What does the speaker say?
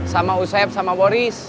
sama usep sama boris